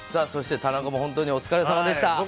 そして、田中も本当にお疲れさまでした。